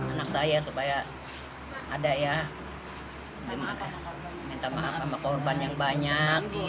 anak saya supaya ada ya minta maaf sama korban yang banyak